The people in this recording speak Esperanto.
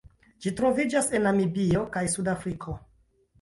Ĝi troviĝas en Namibio kaj Sudafriko.